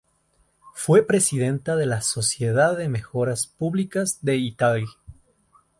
Fue presidenta de la "sociedad de mejoras públicas de Itagüí".